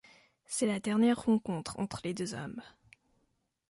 C'est la dernière rencontre entre les deux hommes.